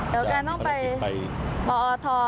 เดี๋ยวการต้องไปจากภารกิจไป